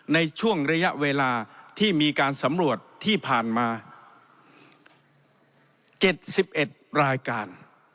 ในช่วงระยะเวลาที่มีการสำรวจที่ผ่านมาเจ็ดสิบเอ็ดรายการ